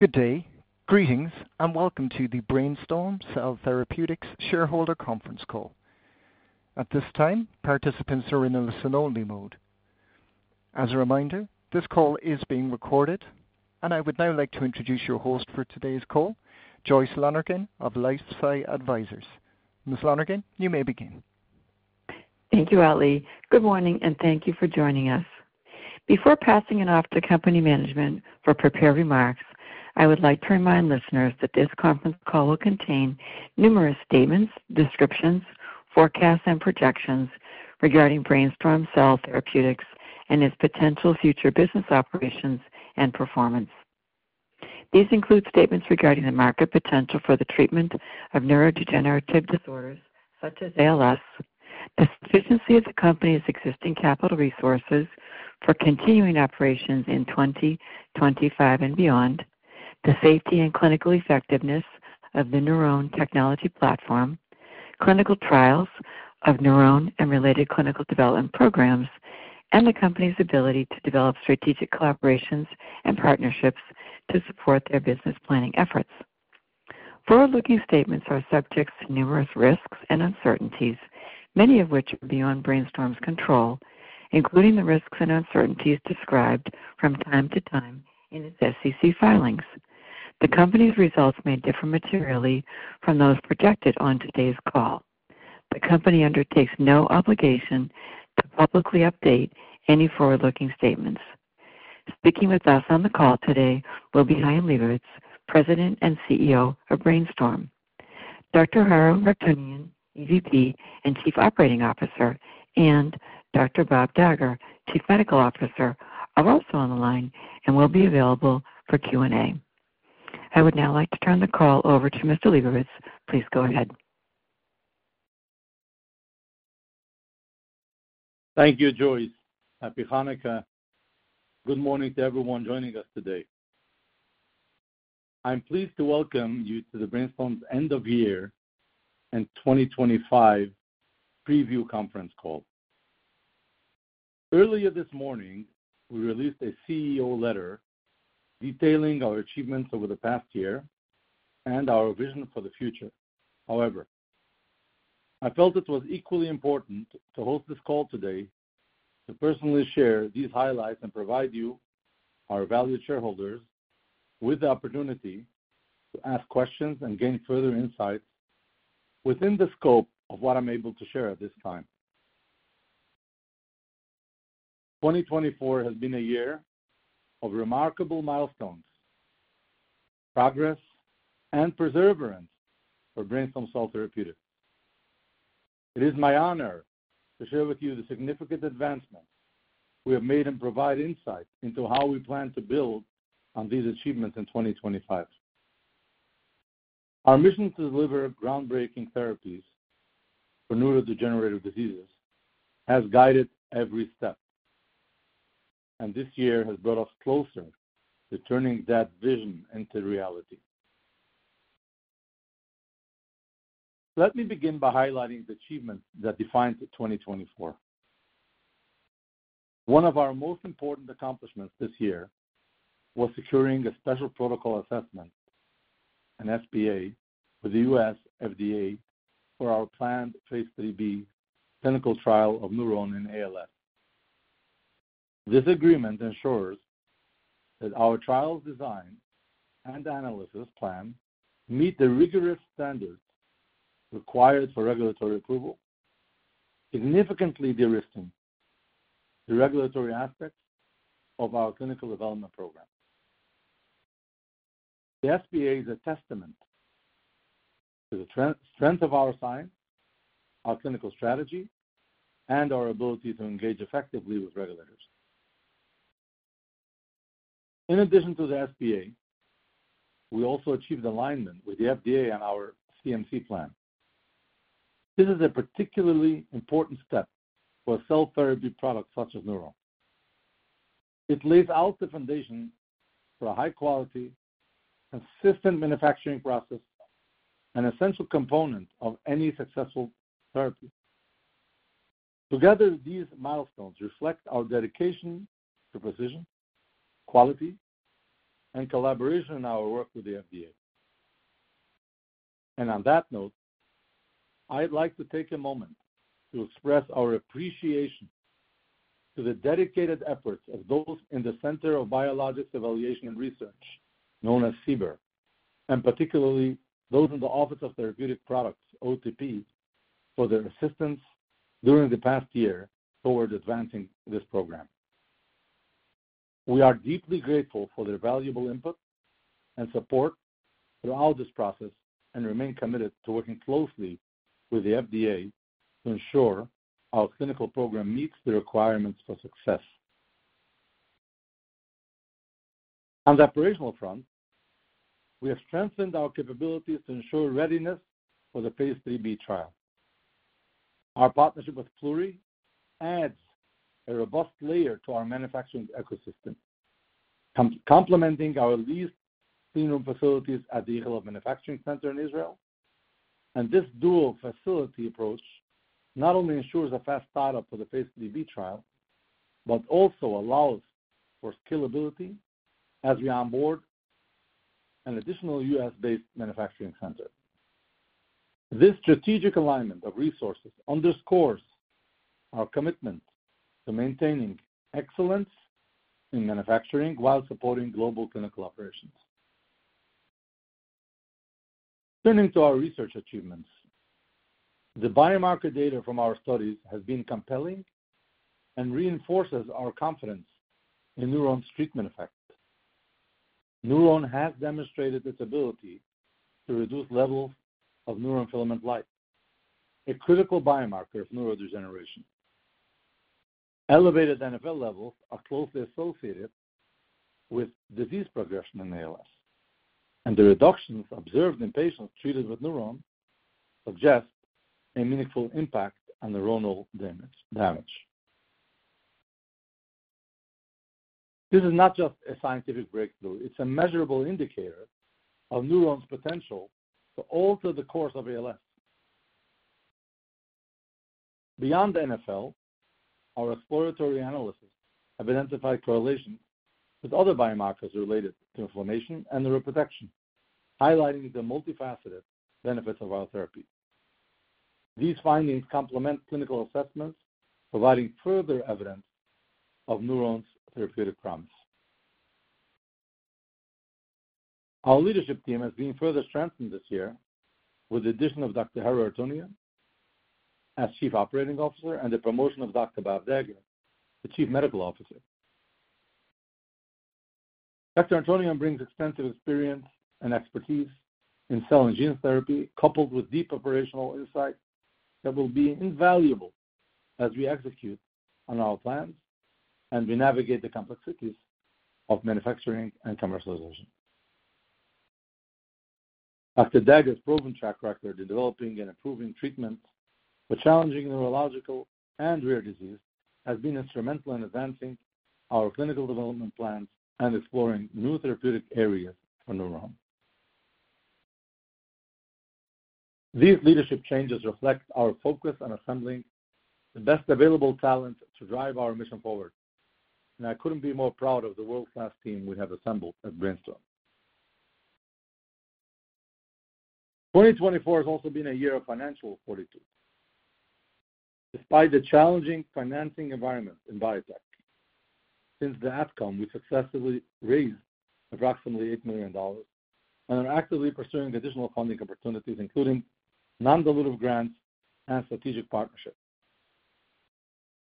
Good day. Greetings, and welcome to the Brainstorm Cell Therapeutics shareholder conference call. At this time, participants are in a listen-only mode. As a reminder, this call is being recorded, and I would now like to introduce your host for today's call, Joyce Allaire of LifeSci Advisors. Ms. Allaire, you may begin. Thank you, Ali. Good morning, and thank you for joining us. Before passing it off to company management for prepared remarks, I would like to remind listeners that this conference call will contain numerous statements, descriptions, forecasts, and projections regarding Brainstorm Cell Therapeutics and its potential future business operations and performance. These include statements regarding the market potential for the treatment of neurodegenerative disorders such as ALS, the efficiency of the company's existing capital resources for continuing operations in 2025 and beyond, the safety and clinical effectiveness of the NurOwn technology platform, clinical trials of NurOwn and related clinical development programs, and the company's ability to develop strategic collaborations and partnerships to support their business planning efforts. Forward-looking statements are subject to numerous risks and uncertainties, many of which are beyond Brainstorm's control, including the risks and uncertainties described from time to time in its SEC filings. The company's results may differ materially from those projected on today's call. The company undertakes no obligation to publicly update any forward-looking statements. Speaking with us on the call today will be Chaim Lebovits, President and CEO of Brainstorm. Dr. Haro Hartounian, EVP and Chief Operating Officer, and Dr. Bob Dagher, Chief Medical Officer, are also on the line and will be available for Q&A. I would now like to turn the call over to Mr. Lebovits. Please go ahead. Thank you, Joyce. Happy Hanukkah. Good morning to everyone joining us today. I'm pleased to welcome you to the Brainstorm's end-of-year and 2025 preview conference call. Earlier this morning, we released a CEO letter detailing our achievements over the past year and our vision for the future. However, I felt it was equally important to host this call today to personally share these highlights and provide you, our valued shareholders, with the opportunity to ask questions and gain further insights within the scope of what I'm able to share at this time. 2024 has been a year of remarkable milestones, progress, and perseverance for Brainstorm Cell Therapeutics. It is my honor to share with you the significant advancements we have made and provide insight into how we plan to build on these achievements in 2025. Our mission to deliver groundbreaking therapies for neurodegenerative diseases has guided every step, and this year has brought us closer to turning that vision into reality. Let me begin by highlighting the achievements that defined 2024. One of our most important accomplishments this year was securing a special protocol assessment, an SPA, with the U.S. FDA for our planned phase 3B clinical trial of NurOwn and ALS. This agreement ensures that our trial's design and analysis plan meet the rigorous standards required for regulatory approval, significantly de-risking the regulatory aspects of our clinical development program. The SPA is a testament to the strength of our science, our clinical strategy, and our ability to engage effectively with regulators. In addition to the SPA, we also achieved alignment with the FDA and our CMC plan. This is a particularly important step for a cell therapy product such as NurOwn. It lays out the foundation for a high-quality, consistent manufacturing process, an essential component of any successful therapy. Together, these milestones reflect our dedication to precision, quality, and collaboration in our work with the FDA. On that note, I'd like to take a moment to express our appreciation to the dedicated efforts of those in the Center for Biologics Evaluation and Research, known as CBER, and particularly those in the Office of Therapeutic Products, OTP, for their assistance during the past year toward advancing this program. We are deeply grateful for their valuable input and support throughout this process and remain committed to working closely with the FDA to ensure our clinical program meets the requirements for success. On the operational front, we have strengthened our capabilities to ensure readiness for the phase 3B trial. Our partnership with Pluri adds a robust layer to our manufacturing ecosystem, complementing our leased cleanroom facilities at the Ichilov Medical Center in Israel, and this dual facility approach not only ensures a fast start-up for the phase 3B trial, but also allows for scalability as we onboard an additional U.S.-based manufacturing center. This strategic alignment of resources underscores our commitment to maintaining excellence in manufacturing while supporting global clinical operations. Turning to our research achievements, the biomarker data from our studies has been compelling and reinforces our confidence in NurOwn's treatment effect. NurOwn has demonstrated its ability to reduce levels of neurofilament light, a critical biomarker of neurodegeneration. Elevated NfL levels are closely associated with disease progression in ALS, and the reductions observed in patients treated with NurOwn suggest a meaningful impact on neuronal damage. This is not just a scientific breakthrough. It's a measurable indicator of NurOwn's potential to alter the course of ALS. Beyond NfL, our exploratory analysis identified correlations with other biomarkers related to inflammation and neuroprotection, highlighting the multifaceted benefits of our therapy. These findings complement clinical assessments, providing further evidence of NurOwn's therapeutic promise. Our leadership team has been further strengthened this year with the addition of Dr. Haro Hartounian as Chief Operating Officer and the promotion of Dr. Bob Dagher, the Chief Medical Officer. Dr. Hartounian brings extensive experience and expertise in cell and gene therapy, coupled with deep operational insight that will be invaluable as we execute on our plans and we navigate the complexities of manufacturing and commercialization. Dr. Dagher's proven track record in developing and improving treatments for challenging neurological and rare disease has been instrumental in advancing our clinical development plans and exploring new therapeutic areas for NurOwn. These leadership changes reflect our focus on assembling the best available talent to drive our mission forward, and I couldn't be more proud of the world-class team we have assembled at Brainstorm. 2024 has also been a year of financial fortitude. Despite the challenging financing environment in biotech, since the outcome, we successfully raised approximately $8 million and are actively pursuing additional funding opportunities, including non-dilutive grants and strategic partnerships.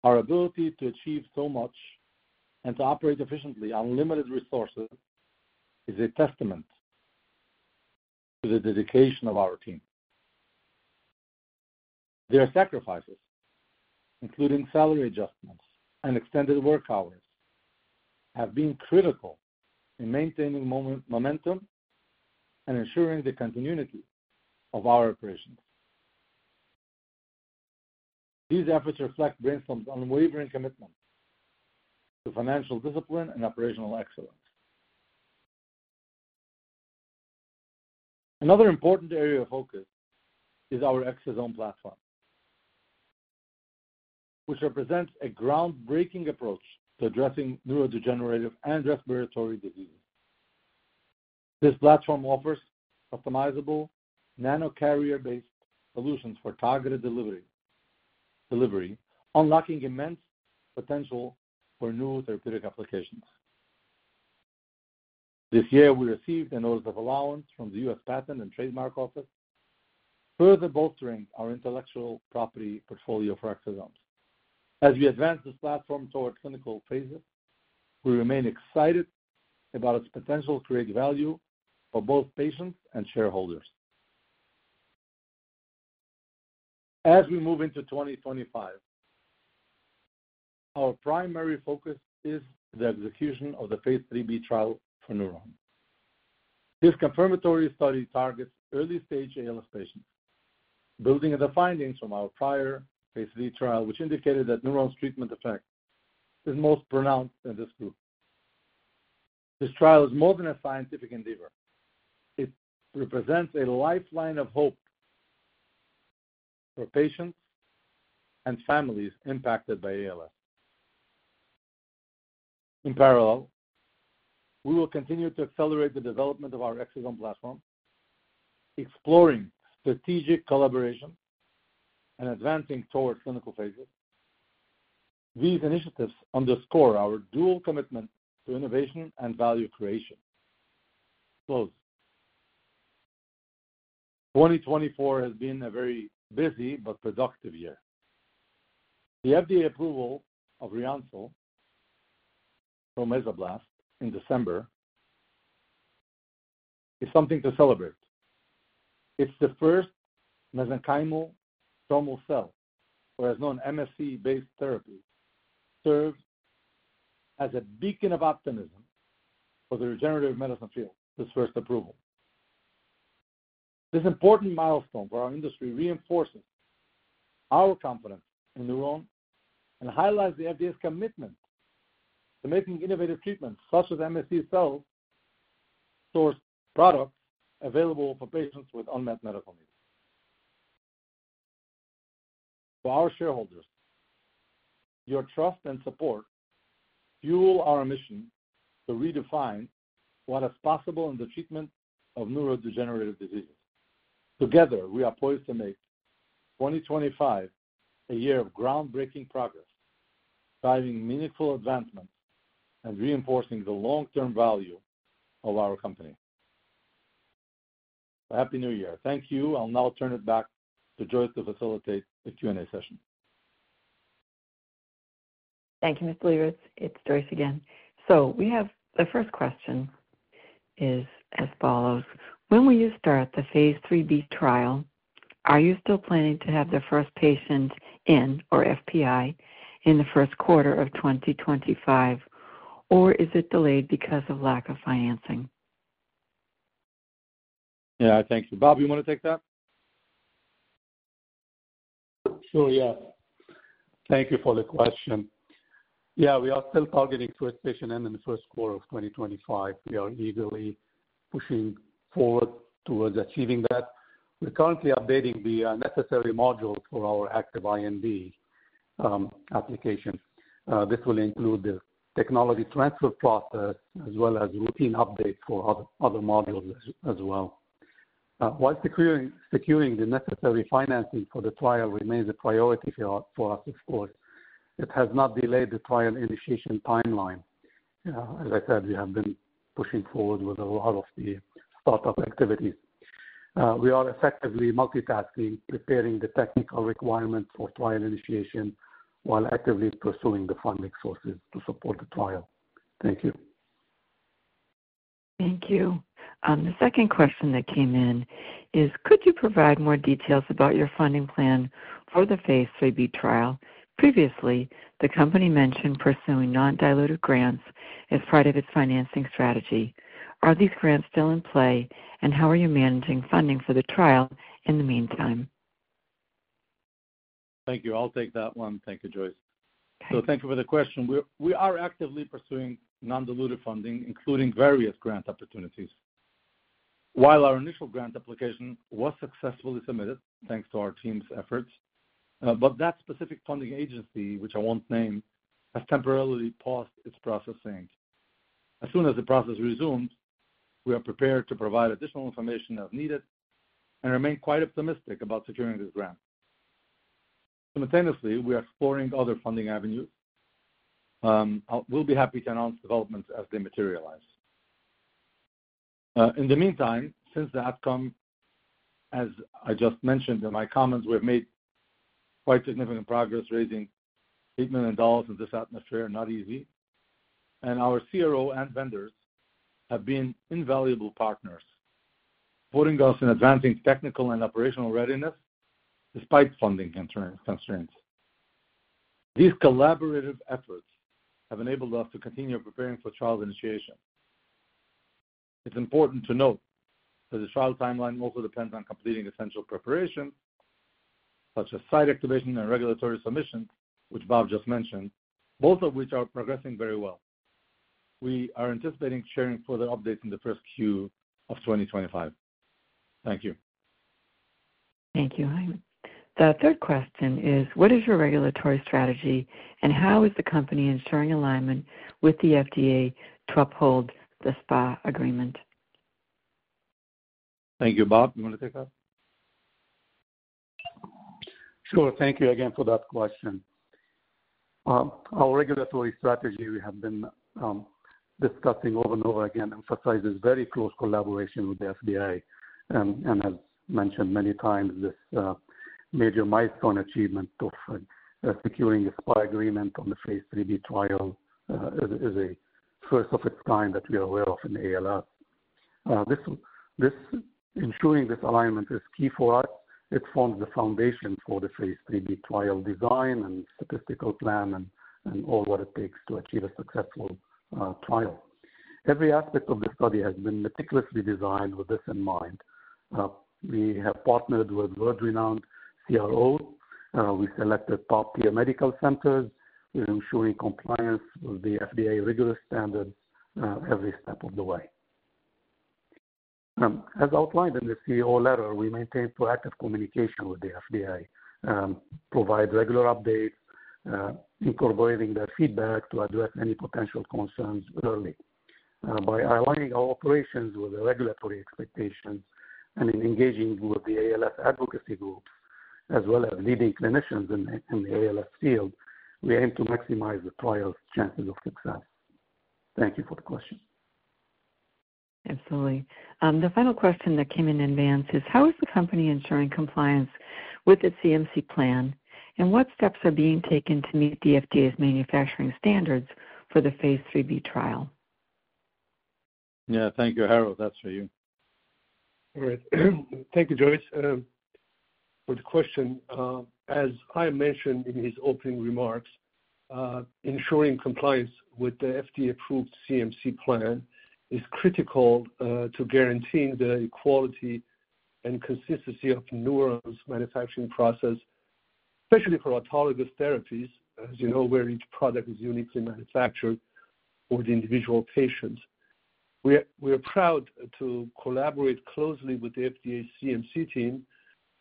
Our ability to achieve so much and to operate efficiently on limited resources is a testament to the dedication of our team. Their sacrifices, including salary adjustments and extended work hours, have been critical in maintaining momentum and ensuring the continuity of our operations. These efforts reflect Brainstorm's unwavering commitment to financial discipline and operational excellence. Another important area of focus is our Exosome Platform, which represents a groundbreaking approach to addressing neurodegenerative and respiratory diseases. This platform offers customizable nanocarrier-based solutions for targeted delivery, unlocking immense potential for new therapeutic applications. This year, we received a notice of allowance from the U.S. Patent and Trademark Office, further bolstering our intellectual property portfolio for exosomes. As we advance this platform toward clinical phases, we remain excited about its potential to create value for both patients and shareholders. As we move into 2025, our primary focus is the execution of the phase 3B trial for NurOwn. This confirmatory study targets early-stage ALS patients, building on the findings from our prior Phase 3 trial, which indicated that NurOwn's treatment effect is most pronounced in this group. This trial is more than a scientific endeavor. It represents a lifeline of hope for patients and families impacted by ALS. In parallel, we will continue to accelerate the development of our Exosome Platform, exploring strategic collaboration and advancing towards clinical phases. These initiatives underscore our dual commitment to innovation and value creation. Close. 2024 has been a very busy but productive year. The FDA approval of Ryoncil from Mesoblast in December is something to celebrate. It's the first mesenchymal stromal cell, or as known, MSC-based therapy, served as a beacon of optimism for the regenerative medicine field with its first approval. This important milestone for our industry reinforces our confidence in NurOwn and highlights the FDA's commitment to making innovative treatments such as MSC cell-stored products available for patients with unmet medical needs. To our shareholders, your trust and support fuel our mission to redefine what is possible in the treatment of neurodegenerative diseases. Together, we are poised to make 2025 a year of groundbreaking progress, driving meaningful advancements and reinforcing the long-term value of our company. Happy New Year. Thank you. I'll now turn it back to Joyce to facilitate the Q&A session. Thank you, Mr. Lebovits. It's Joyce again. So we have the first question as follows. When will you start the phase 3B trial? Are you still planning to have the first patient in, or FPI, in the first quarter of 2025, or is it delayed because of lack of financing? Yeah, thank you. Bob, do you want to take that? Sure, yes. Thank you for the question. Yeah, we are still targeting initiation in the first quarter of 2025. We are eagerly pushing forward towards achieving that. We're currently updating the necessary module for our active IND application. This will include the technology transfer process as well as routine updates for other modules as well. While securing the necessary financing for the trial remains a priority for us, of course, it has not delayed the trial initiation timeline. As I said, we have been pushing forward with a lot of the startup activities. We are effectively multitasking, preparing the technical requirements for trial initiation while actively pursuing the funding sources to support the trial. Thank you. Thank you. The second question that came in is, could you provide more details about your funding plan for the phase 3B trial? Previously, the company mentioned pursuing non-dilutive grants as part of its financing strategy. Are these grants still in play, and how are you managing funding for the trial in the meantime? Thank you. I'll take that one. Thank you, Joyce. Thank you. Thank you for the question. We are actively pursuing non-dilutive funding, including various grant opportunities. While our initial grant application was successfully submitted, thanks to our team's efforts, that specific funding agency, which I won't name, has temporarily paused its processing. As soon as the process resumes, we are prepared to provide additional information as needed and remain quite optimistic about securing this grant. Simultaneously, we are exploring other funding avenues. We'll be happy to announce developments as they materialize. In the meantime, since the outcome, as I just mentioned in my comments, we have made quite significant progress, raising $8 million in this atmosphere, not easy. And our CRO and vendors have been invaluable partners, supporting us in advancing technical and operational readiness despite funding constraints. These collaborative efforts have enabled us to continue preparing for trial initiation. It's important to note that the trial timeline also depends on completing essential preparations such as site activation and regulatory submissions, which Bob just mentioned, both of which are progressing very well. We are anticipating sharing further updates in the first Q of 2025. Thank you. Thank you. The third question is, what is your regulatory strategy, and how is the company ensuring alignment with the FDA to uphold the SPA agreement? Thank you. Bob, do you want to take that? Sure. Thank you again for that question. Our regulatory strategy we have been discussing over and over again emphasizes very close collaboration with the FDA. And as mentioned many times, this major milestone achievement of securing the SPA agreement on the phase 3B trial is a first of its kind that we are aware of in ALS. Ensuring this alignment is key for us. It forms the foundation for the phase 3B trial design and statistical plan and all what it takes to achieve a successful trial. Every aspect of the study has been meticulously designed with this in mind. We have partnered with world-renowned CROs. We selected top tier medical centers in ensuring compliance with the FDA rigorous standards every step of the way. As outlined in the CEO letter, we maintain proactive communication with the FDA, provide regular updates, incorporating their feedback to address any potential concerns early. By aligning our operations with the regulatory expectations and in engaging with the ALS advocacy groups, as well as leading clinicians in the ALS field, we aim to maximize the trial's chances of success. Thank you for the question. Absolutely. The final question that came in advance is, how is the company ensuring compliance with its CMC plan, and what steps are being taken to meet the FDA's manufacturing standards for the phase 3B trial? Yeah, thank you. Haro, that's for you. All right. Thank you, Joyce. For the question, as I mentioned in his opening remarks, ensuring compliance with the FDA-approved CMC plan is critical to guaranteeing the quality and consistency of NurOwn's manufacturing process, especially for autologous therapies, as you know, where each product is uniquely manufactured for the individual patient. We are proud to collaborate closely with the FDA's CMC team,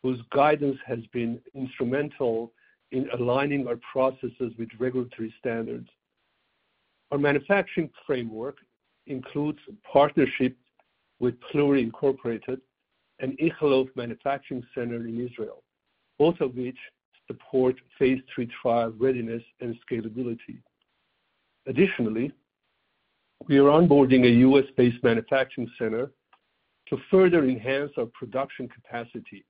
whose guidance has been instrumental in aligning our processes with regulatory standards. Our manufacturing framework includes partnerships with Pluri Incorporated and Ichilov Medical Center in Israel, both of which support phase 3 trial readiness and scalability. Additionally, we are onboarding a U.S.-based manufacturing center to further enhance our production capacity.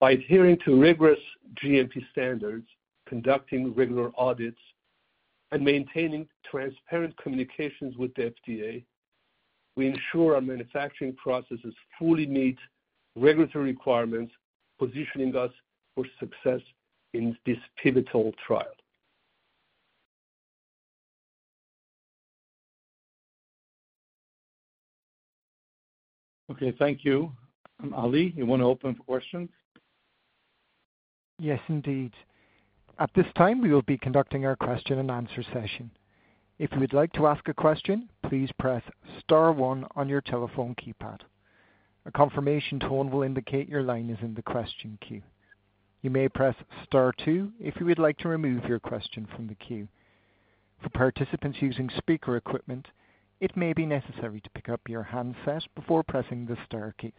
By adhering to rigorous GMP standards, conducting regular audits, and maintaining transparent communications with the FDA, we ensure our manufacturing processes fully meet regulatory requirements, positioning us for success in this pivotal trial. Okay, thank you. Ali, you want to open for questions? Yes, indeed. At this time, we will be conducting our question-and-answer session. If you would like to ask a question, please press Star one on your telephone keypad. A confirmation tone will indicate your line is in the question queue. You may press Star two if you would like to remove your question from the queue. For participants using speaker equipment, it may be necessary to pick up your handset before pressing the star keys.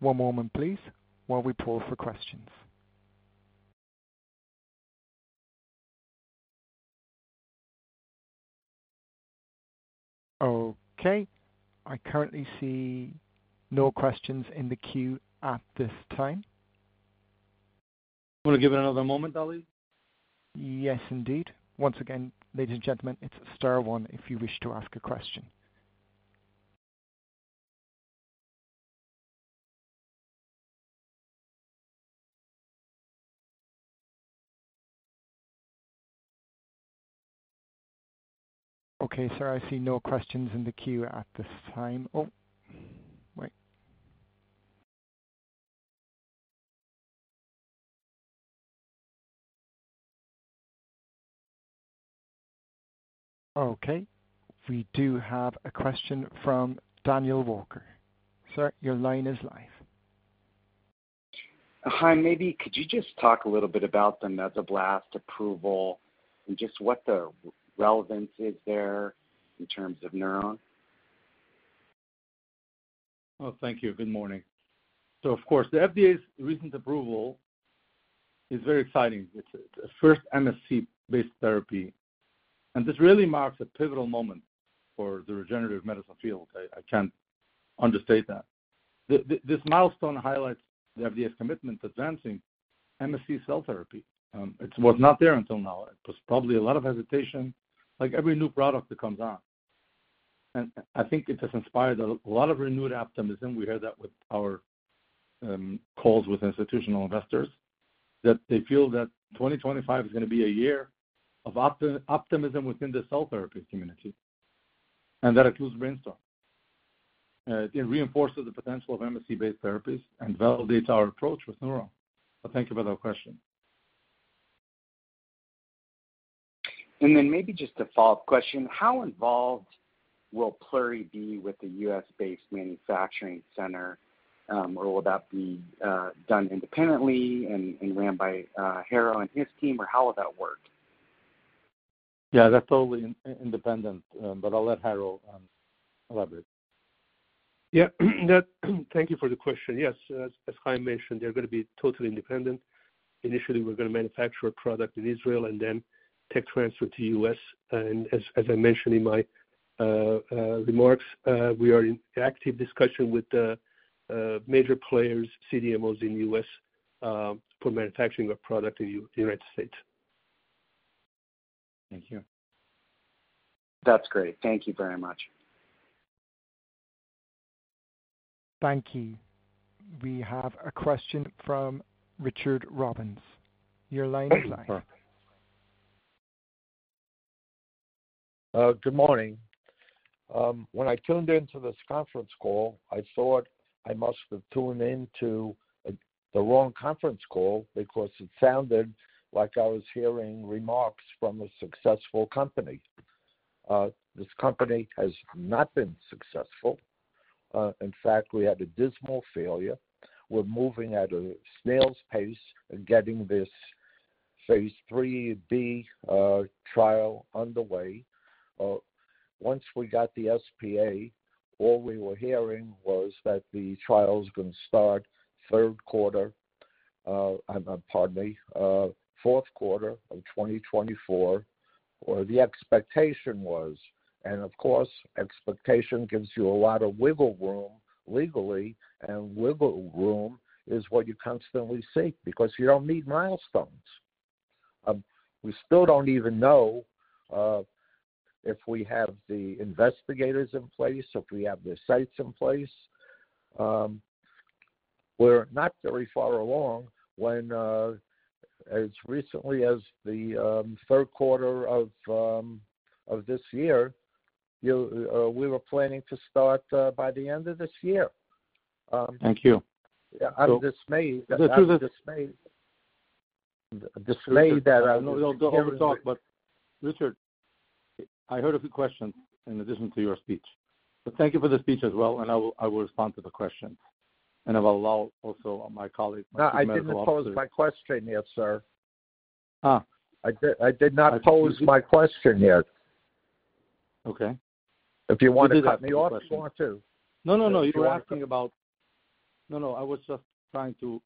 One moment, please, while we pull for questions. Okay. I currently see no questions in the queue at this time. Do you want to give it another moment, Ali? Yes, indeed. Once again, ladies and gentlemen, it's Star 1 if you wish to ask a question. Okay, sir, I see no questions in the queue at this time. Oh, wait. Okay. We do have a question from Daniel Walker. Sir, your line is live. Hi, maybe could you just talk a little bit about the Mesoblast approval and just what the relevance is there in terms of NurOwn? Oh, thank you. Good morning. So, of course, the FDA's recent approval is very exciting. It's the first MSC-based therapy. And this really marks a pivotal moment for the regenerative medicine field. I can't understate that. This milestone highlights the FDA's commitment to advancing MSC cell therapy. It was not there until now. It was probably a lot of hesitation, like every new product that comes out. And I think it has inspired a lot of renewed optimism. We hear that with our calls with institutional investors, that they feel that 2025 is going to be a year of optimism within the cell therapy community. And that includes Brainstorm. It reinforces the potential of MSC-based therapies and validates our approach with NurOwn. So thank you for that question. And then maybe just a follow-up question. How involved will Pluri be with the U.S.-based manufacturing center? Or will that be done independently and run by Haro and his team, or how will that work? Yeah, that's totally independent. But I'll let Haro elaborate. Yeah. Thank you for the question. Yes, as I mentioned, they're going to be totally independent. Initially, we're going to manufacture a product in Israel and then tech transfer to the U.S. And as I mentioned in my remarks, we are in active discussion with the major players, CDMOs in the U.S., for manufacturing a product in the United States. Thank you. That's great. Thank you very much. Thank you. We have a question from Richard Robbins. Your line is live. Good morning. When I tuned into this conference call, I thought I must have tuned into the wrong conference call because it sounded like I was hearing remarks from a successful company. This company has not been successful. In fact, we had a dismal failure. We're moving at a snail's pace and getting this phase 3B trial underway. Once we got the SPA, all we were hearing was that the trial is going to start third quarter, pardon me, fourth quarter of 2024. Or the expectation was, and of course, expectation gives you a lot of wiggle room legally. And wiggle room is what you constantly seek because you don't meet milestones. We still don't even know if we have the investigators in place, if we have the sites in place. We're not very far along. When, as recently as the third quarter of this year, we were planning to start by the end of this year. Thank you. Yeah, I'm dismayed. The truth is dismayed that I'm not. No, don't overtalk. But Richard, I heard a few questions in addition to your speech. But thank you for the speech as well. And I will respond to the questions. And I will allow also my colleague. I didn't pose my question yet, sir. I did not pose my question yet. Okay. If you want to cut me off. You did ask a question. If you want to. No, no, no. You were asking about, no, no. I was just trying to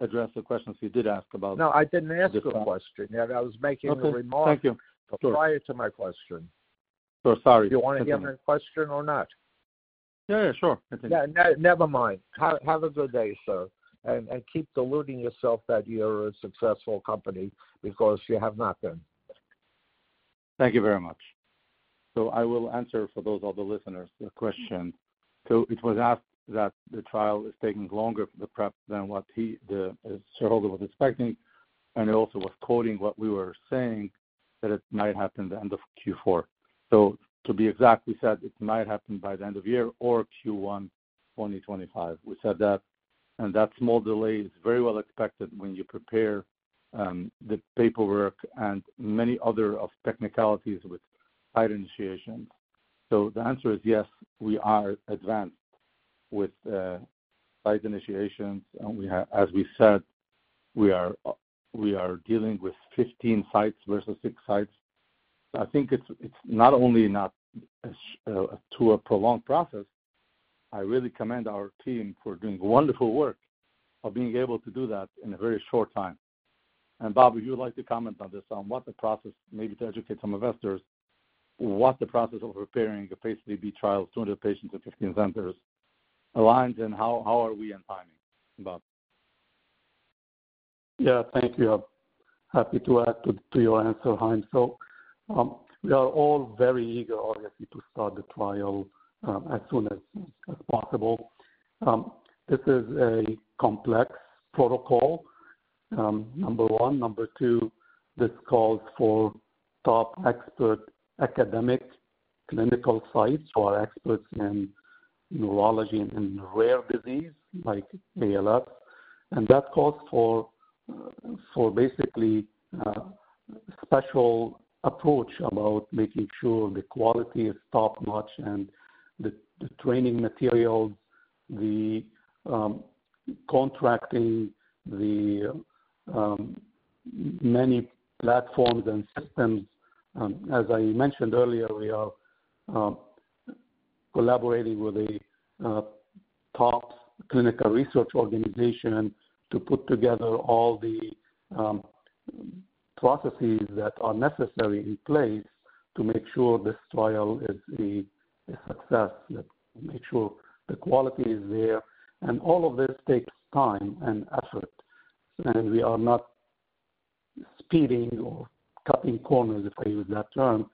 address the questions you did ask about. No, I didn't ask you a question. I was making a remark prior to my question. Sure. Sorry. Do you want to give me a question or not? Yeah, yeah. Sure. Never mind. Have a good day, sir. And keep deluding yourself that you're a successful company because you have not been. Thank you very much. So I will answer for those of the listeners the question. So it was asked that the trial is taking longer for the prep than what Mr. Holden was expecting. And it also was quoting what we were saying, that it might happen at the end of Q4. So to be exact, we said it might happen by the end of year or Q1 2025. We said that. And that small delay is very well expected when you prepare the paperwork and many other technicalities with site initiations. So the answer is yes, we are advanced with site initiations. And as we said, we are dealing with 15 sites versus six sites. I think it's not only not a prolonged process. I really commend our team for doing wonderful work of being able to do that in a very short time. Bob, if you'd like to comment on this, on what the process may be to educate some investors, what the process of preparing a phase 3B trial to 200 patients in 15 centers aligns, and how are we in timing, Bob? Yeah, thank you. Happy to add to your answer, Chaim. So we are all very eager, obviously, to start the trial as soon as possible. This is a complex protocol, number one. Number two, this calls for top expert academic clinical sites who are experts in neurology and in rare disease like ALS. And that calls for basically a special approach about making sure the quality is top-notch and the training materials, the contracting, the many platforms and systems. As I mentioned earlier, we are collaborating with a top clinical research organization to put together all the processes that are necessary in place to make sure this trial is a success, to make sure the quality is there. And all of this takes time and effort. And we are not speeding or cutting corners, if I use that term,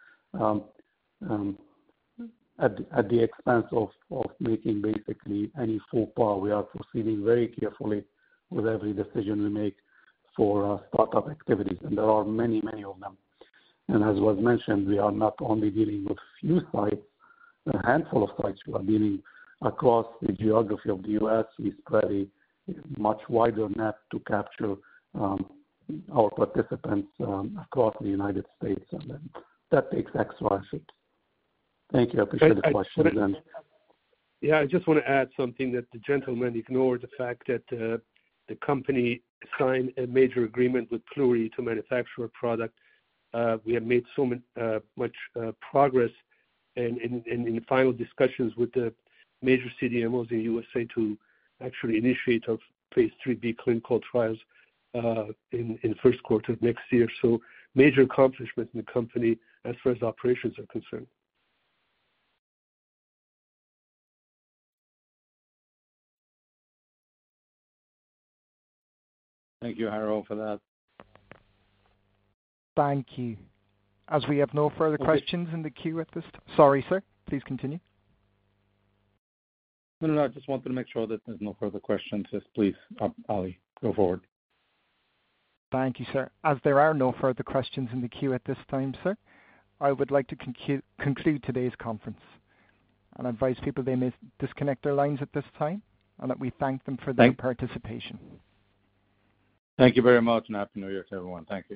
at the expense of making basically any faux pas. We are proceeding very carefully with every decision we make for startup activities, and there are many, many of them, and as was mentioned, we are not only dealing with a few sites, a handful of sites. We are dealing across the geography of the U.S., a much wider net to capture our participants across the United States, and that takes X, Y, and Z. Thank you. I appreciate the question. Yeah, I just want to add something that the gentlemen ignored, the fact that the company signed a major agreement with Pluri to manufacture a product. We have made so much progress in the final discussions with the major CDMOs in the USA to actually initiate our phase 3B clinical trials in the first quarter of next year. So major accomplishments in the company as far as operations are concerned. Thank you, Haro, for that. Thank you. As we have no further questions in the queue at this. Sorry, sir. Please continue. No, no, no. I just wanted to make sure that there's no further questions. Just please, Ali, go forward. Thank you, sir. As there are no further questions in the queue at this time, sir, I would like to conclude today's conference, and I advise people they may disconnect their lines at this time and that we thank them for their participation. Thank you very much, and happy New Year to everyone. Thank you.